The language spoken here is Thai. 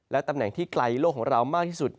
ตำแหน่งที่ไกลโลกของเรามากที่สุด